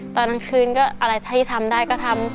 ตอนคืนก็อะไรที่ทำได้ก็ทำ